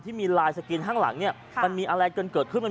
ที่มีลายสกรีนข้างหลังเนี่ยมันมีอะไรกันเกิดขึ้น